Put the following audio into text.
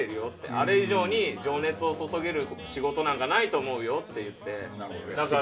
あれ以上に情熱を注げる仕事なんかないと思うよって言って。